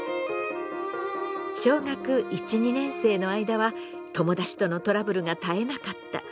小学１２年生の間は友達とのトラブルが絶えなかった。